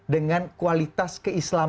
dengan kualitas keindahan